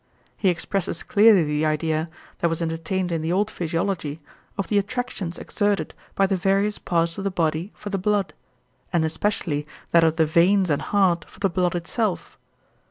He expresses clearly the idea, that was entertained in the old physiology, of the attractions exerted by the various parts of the body for the blood; and especially that of the veins and heart for the blood itself.